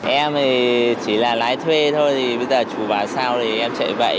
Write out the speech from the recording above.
em chỉ là lái thuê thôi bây giờ chú bà sao thì em chạy vậy